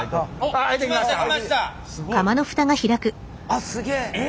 あっすげえ。